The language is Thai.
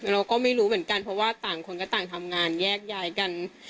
เราก็ไม่รู้เหมือนกันเพราะว่าต่างคนก็ต่างทำงานแยกย้ายกัน